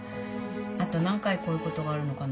あと何回こういうことがあるのかなあって。